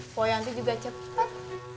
poyanti juga cepat